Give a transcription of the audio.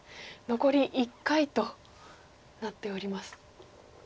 残り１回となっております。